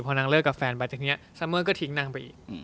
พอนางเลิกกับแฟนไปทีนี้ซัมเมอร์ก็ทิ้งนางไปอีก